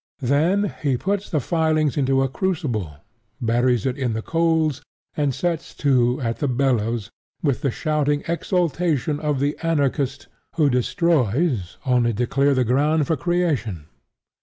Then he puts the filings into a crucible; buries it in the coals; and sets to at the bellows with the shouting exultation of the anarchist who destroys only to clear the ground for creation.